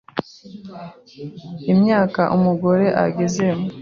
imyaka umugore agezemo